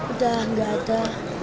udah nggak ada